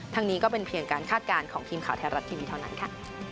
นี้ก็เป็นเพียงการคาดการณ์ของทีมข่าวไทยรัฐทีวีเท่านั้นค่ะ